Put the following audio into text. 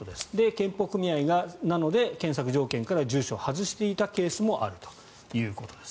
健保組合が検索条件から住所を外していたケースもあるということです。